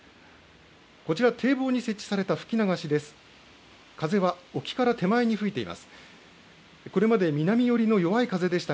こちら、堤防に設置された吹き流しです。